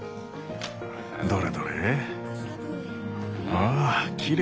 どれどれ？